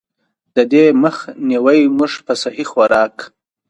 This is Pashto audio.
د دې مخ نيوے مونږ پۀ سهي خوراک ،